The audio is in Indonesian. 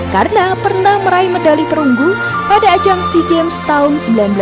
karena pernah meraih medali perunggu pada ajang sea games tahun seribu sembilan ratus tujuh puluh tujuh